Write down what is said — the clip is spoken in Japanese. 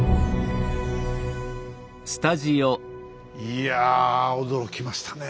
いや驚きましたね。